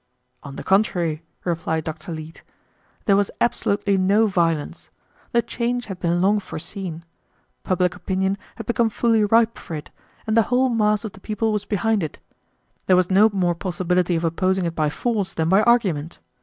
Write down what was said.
"On the contrary," replied Dr. Leete, "there was absolutely no violence. The change had been long foreseen. Public opinion had become fully ripe for it, and the whole mass of the people was behind it. There was no more possibility of opposing it by force than by argument.